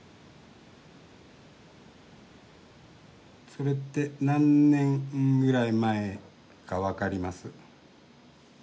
それって何年ぐらい前か分かります？